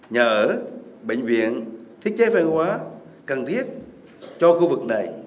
nhà ở bệnh viện thiết chế văn hóa cần thiết cho khu vực này